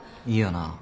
いいよな